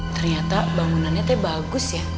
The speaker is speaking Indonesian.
ternyata bangunannya tuh bagus ya